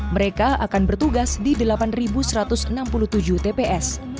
mereka akan bertugas di delapan satu ratus enam puluh tujuh tps